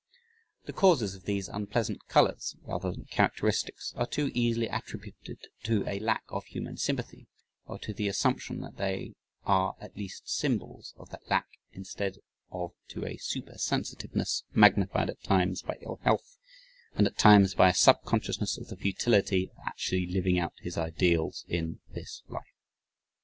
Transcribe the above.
The causes of these unpleasant colors (rather than characteristics) are too easily attributed to a lack of human sympathy or to the assumption that they are at least symbols of that lack instead of to a supersensitiveness, magnified at times by ill health and at times by a subconsciousness of the futility of actually living out his ideals in this life.